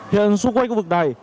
hiện xung quanh khu vực này